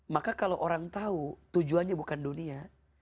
maka kalau orang tahu tujuannya bukan dunia